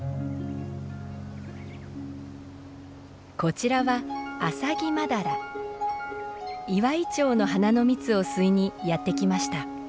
こちらはイワイチョウの花の蜜を吸いにやって来ました。